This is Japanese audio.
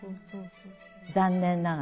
残念ながら。